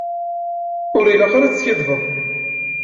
Ur ilaq ad teskiddbeḍ.